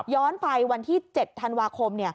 ไปวันที่๗ธันวาคม